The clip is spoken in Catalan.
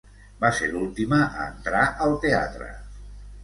Vas ser l'última a entrar al teatre.